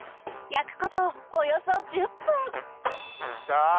焼くことおよそ１０分来た。